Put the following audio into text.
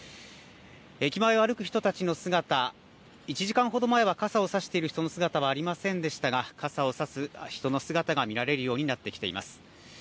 駅前を歩く人たちの姿、１時間ほど前は傘を差している人の姿はありませんでしたが傘を差す人の姿が見られるようになってきています。